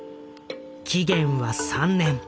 期限は３年。